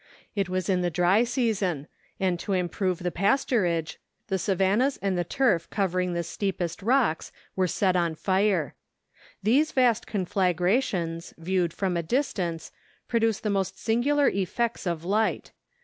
It was in the dry season, and to improve the pasturage, the savannahs and the turf covering the steepest rocks were set on fire. These vast conflagrations, viewed from a distance, produce the most singular effects of light.